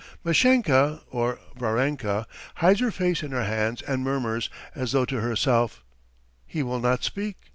Mashenka (or Varenka) hides her face in her hands and murmurs, as though to herself: "He will not speak